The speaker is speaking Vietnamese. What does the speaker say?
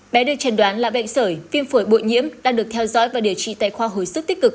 bé được trần đoán là bệnh sởi viêm phổi bội nhiễm đang được theo dõi và điều trị tại khoa hồi sức tích cực